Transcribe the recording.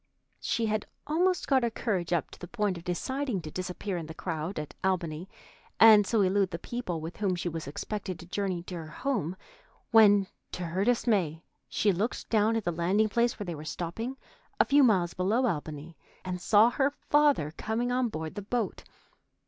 She had almost got her courage up to the point of deciding to disappear in the crowd at Albany, and so elude the people with whom she was expected to journey to her home, when, to her dismay, she looked down at the landing place where they were stopping, a few miles below Albany, and saw her father coming on board the boat.